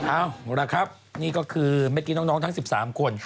อ้าวโอเคครับนี่ก็คือเม็ดกิ๊กน้องทั้ง๑๓คน